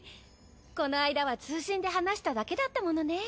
この間は通信で話しただけだったものね。